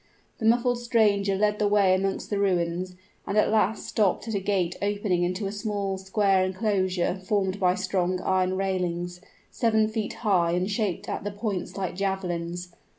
The muffled stranger led the way amongst the ruins, and at last stopped at a gate opening into a small square inclosure formed by strong iron railings, seven feet high and shaped at the points like javelins.